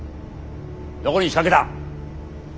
どこに仕掛けた？